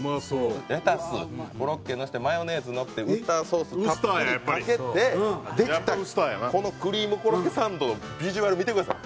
「レタスコロッケのせてマヨネーズぬってウスターソースたっぷりかけて」できたこのクリームコロッケサンドのビジュアル見てください。